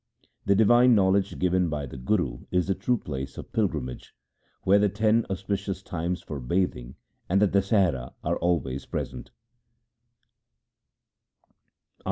The divine knowledge given by the Guru is the true place of pilgrimage where the ten auspicious times for bathing and the Dasahra 2 are always present.